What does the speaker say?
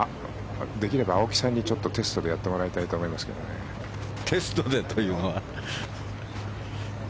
できれば、青木さんにちょっとテストでやってもらいたいなとテストでというのは。